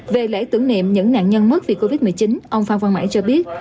về lễ tưởng niệm những nạn nhân mất vì covid một mươi chín ông phan văn mãi cho biết